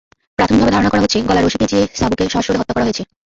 প্রাথমিকভাবে ধারণা করা হচ্ছে, গলায় রশি পেঁচিয়ে সাবুকে শ্বাসরোধে হত্যা করা হয়েছে।